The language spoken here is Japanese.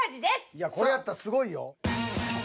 いやこれやったらすごいよ。